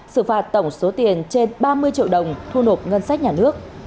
xử phạt tổng số tiền trên ba mươi triệu đồng thu nộp ngân sách nhà nước